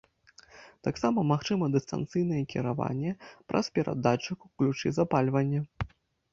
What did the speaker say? Таксама магчыма дыстанцыйнае кіраванне праз перадатчык у ключы запальвання.